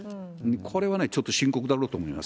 これはね、ちょっと深刻だろうと思います。